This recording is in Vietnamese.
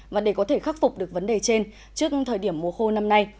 và để có thể khắc phục được vấn đề trên trước thời điểm mùa khô năm nay